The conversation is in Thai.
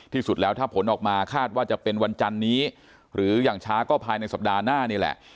ที่สุดแล้วถ้าผลออกมาคาดว่าจะเป็นวันจันนี้หรืออย่างช้าก็ภายในสัปดาห์หน้านี่แหละ